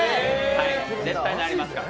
絶対なりますから。